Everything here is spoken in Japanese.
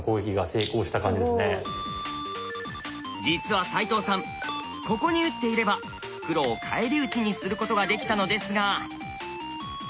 実は齋藤さんここに打っていれば黒を返り討ちにすることができたのですが。